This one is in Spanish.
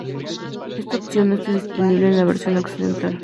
Esta opción no está disponible en la versión occidental.